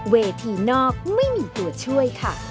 เวทีนอกไม่มีตัวช่วยค่ะ